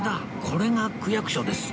これが区役所です